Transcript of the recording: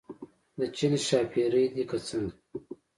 د چین ښاپېرۍ دي که څنګه.